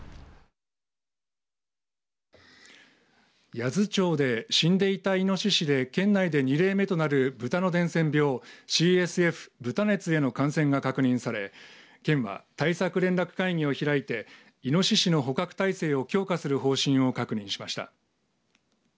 八頭町で死んでいた、いのししで県内で２例目となる豚の伝染病ＣＳＦ、豚熱への感染が確認され県は対策連絡会議を開いていのししの捕獲体制を強化する方針を確認しました。